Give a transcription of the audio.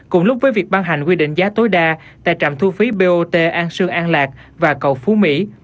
cùng lúc với việc ban hành quy định giá tối đa tại trạm thu phí bot an sương an lạc và cầu phú mỹ